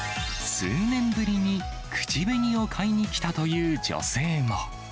数年ぶりに口紅を買いにきたという女性も。